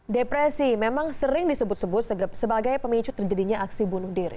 depresi memang sering disebut sebut sebagai pemicu terjadinya aksi bunuh diri